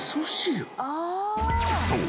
［そう。